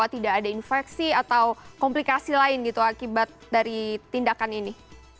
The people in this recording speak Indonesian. tidak ada infeksi atau komplikasi lain gitu akibat dari tindakan ini